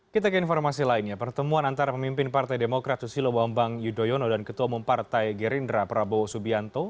kita ke informasi lainnya pertemuan antara pemimpin partai demokrat susilo bambang yudhoyono dan ketua umum partai gerindra prabowo subianto